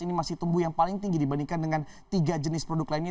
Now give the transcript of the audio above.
ini masih tumbuh yang paling tinggi dibandingkan dengan tiga jenis produk lainnya